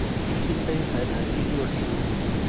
一杯才台幣六十五